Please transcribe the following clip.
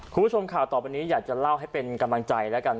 คุณผู้ชมข่าวต่อไปนี้อยากจะเล่าให้เป็นกำลังใจแล้วกัน